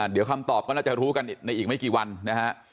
เดี๋ยวคำตอบก็น่าจะรู้กันในอีกไม่กี่วันนะฮะ